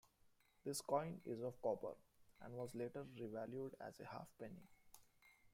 This coin is of copper, and was later revalued as a half penny.